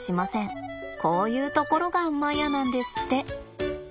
こういうところがマヤなんですって。